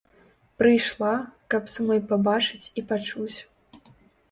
Прыйшла, каб самой пабачыць і пачуць.